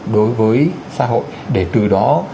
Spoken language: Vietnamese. đối với xã hội để từ đó